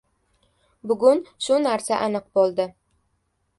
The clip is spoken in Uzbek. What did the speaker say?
Bugun shu narsa aniq bo‘ldi.